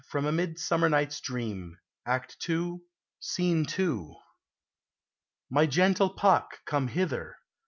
FROM "A MIDSUiMMER NIGHT'S DREAM," ACT II. SC. 2. Oberon. — My gentle Pack, come hither.